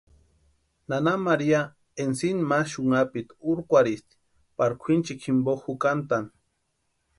Nana María ensima ma xunhapiti urkwarhisti pari kwʼinchekwa jimpo jukantʼani.